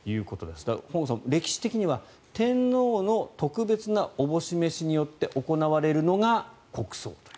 だから、本郷さん、歴史的には天皇の特別な思し召しによって行われるのが国葬と。